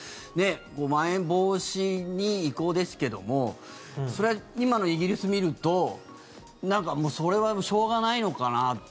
まん延防止に移行ですけどもそれは今のイギリス見るともうそれはしょうがないのかなって。